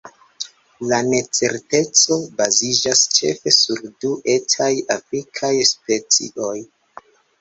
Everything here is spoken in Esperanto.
La necerteco baziĝas ĉefe sur du etaj afrikaj specioj.